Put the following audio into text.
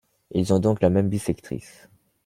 Ils ont donc la même bissectrice.